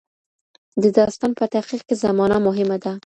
د داستان په تحقیق کې زمانه مهمه ده.